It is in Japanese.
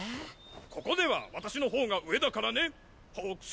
ここでは私の方が上だからねホークス！